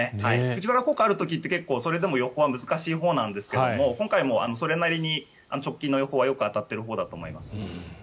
藤原効果がある時って結構、それでも予報は難しいほうなんですが今回はそれなりに直近の予報はよく当たってるほうだと思います。